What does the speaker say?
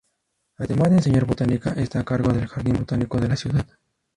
Además de enseñar Botánica, está a cargo del Jardín botánico de la ciudad.